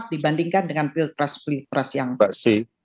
dibandingkan dengan pilpres pilpres yang